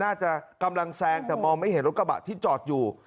น่าจะกำลังแซงแต่มองไม่เห็นรถกระบะที่จอดอยู่